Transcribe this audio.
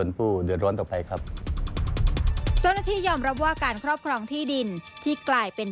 เสนอทางกรมที่ดิน